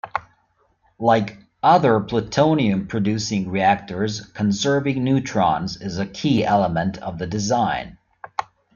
Like other plutonium-producing reactors, conserving neutrons is a key element of the design.